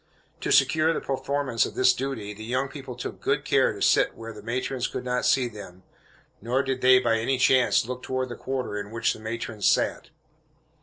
To secure the performance of this duty, the young people took good care to sit where the matrons could not see them, nor did they, by any chance, look toward the quarter in which the matrons sat.